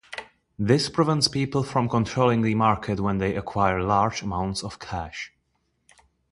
This prevents people from controlling the market when they acquire large amounts of cash.